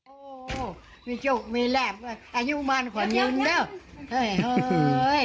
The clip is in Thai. โอ้มีจุกมีแหลกอายุมันของยุ่นเนอะเฮ้ยเฮ้ย